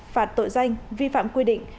phạt tội danh vi phạm quy định